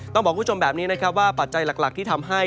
ต้องบอกคุณผู้ชมแบบนี้นะครับว่าปัจจัยหลักที่ทำให้